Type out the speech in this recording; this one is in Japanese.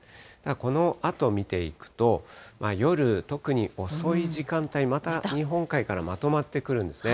このあと見ていくと、夜、特に遅い時間帯、また日本海からまとまってくるんですね。